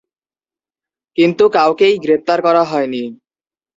কিন্তু কাউকেই গ্রেফতার করা হয়নি।